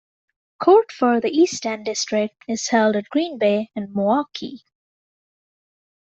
Court for the Eastern District is held at Green Bay and Milwaukee.